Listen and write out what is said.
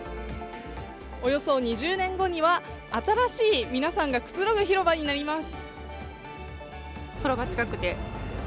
およそ２０年後には、新しい皆さんがくつろぐ広場になります。